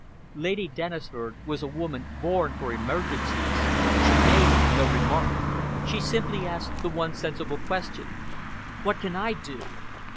Lady Dennisford was a woman born for emergencies. She made no remark. She simply asked the one sensible question: "What can I do?"